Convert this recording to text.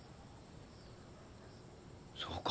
そうか。